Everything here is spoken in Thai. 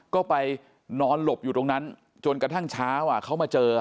ก็ไปนอนหลบอยู่ตรงนั้นจนกระทั่งเช้าเขามาเจอ